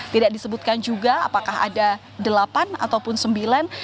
tidak disebutkan juga apakah ada delapan ataupun sembilan